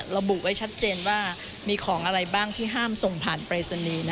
ระบุไว้ชัดเจนว่ามีของอะไรบ้างที่ห้ามส่งผ่านปรายศนีย์